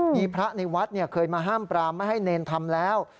มีพระในวัดเคยมาห้ามปรามไม่ให้เนรทำแล้ว